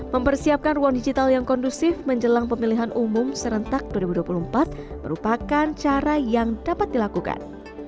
mempersiapkan ruang digital yang kondusif menjelang pemilihan umum serentak dua ribu dua puluh empat merupakan cara yang dapat dilakukan